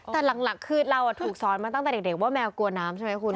แต่หลักคือเราถูกสอนมาตั้งแต่เด็กว่าแมวกลัวน้ำใช่ไหมคุณ